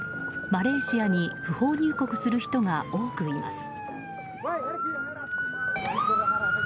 マレーシアに不法入国する人が多くいます。